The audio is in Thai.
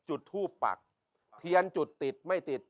จุดทูปปักเทียนจุดติดไม่ติด